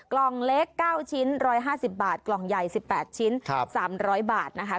กล่องเล็ก๙ชิ้น๑๕๐บาทกล่องใหญ่๑๘ชิ้น๓๐๐บาทนะคะ